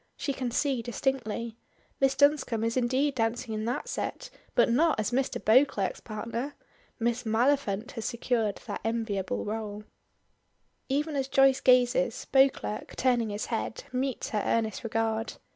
She can see distinctly. Miss Dunscombe is indeed dancing in that set but not as Mr. Beauclerk's partner. Miss Maliphant has secured that enviable rôle. Even as Joyce gazes, Beauclerk, turning his head, meets her earnest regard.